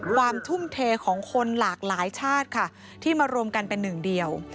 ความทุ่มเทของคนหลากหลายชาติค่ะที่มารวมกันเป็นหนึ่งเดียว